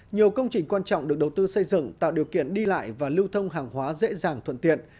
nhiều công trình quan trọng được đầu tư xây dựng tạo điều kiện đi lại và lưu thông hàng hóa dễ dàng thuận tiện